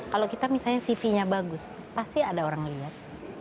kalau kita misalnya cv nya bagus pasti ada orang lihat